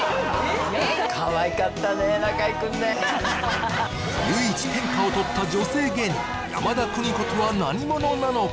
かわいかったね中居くんね唯一天下をとった女性芸人山田邦子とは何者なのか？